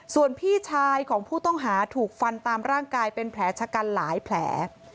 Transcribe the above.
ส่วนพี่ชายของผู้ต้องหาถูกฟันตามร่างกายเป็นแผลชะกันหลายแผล